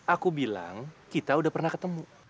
aku bilang kita udah pernah ketemu